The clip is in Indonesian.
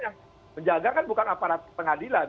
yang menjaga kan bukan aparat pengadilan